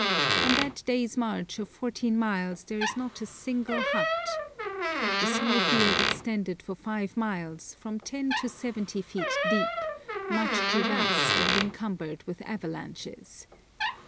On that day's march of fourteen miles there is not a single hut. The snowfield extended for five miles, from ten to seventy feet deep, much crevassed, and encumbered with avalanches.